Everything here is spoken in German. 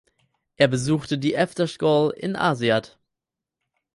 Er besuchte die Efterskole in Aasiaat.